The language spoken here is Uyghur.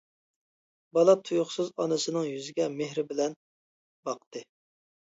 بالا تۇيۇقسىز ئانىسىنىڭ يۈزىگە مېھرى بىلەن باقتى.